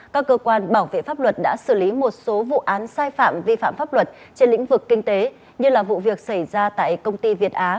các cơ quan bảo vệ pháp luật đã xử lý một số vụ án sai phạm vi phạm pháp luật trên lĩnh vực kinh tế như là vụ việc xảy ra tại công ty việt á